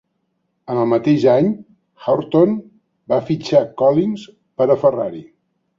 En el mateix any, Hawtorn va fitxar Collins per a Ferrari.